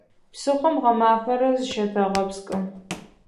Псыхъом гъэмафэрэ зыщытэгъэпскӏы.